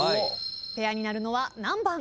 ペアになるのは何番？